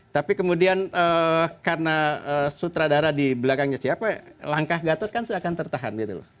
tapi kemudian karena sutradara di belakangnya siapa langkah gatot kan tertahan gitu loh